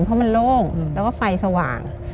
เพราะมันโล่งแล้วก็ไฟสว่าง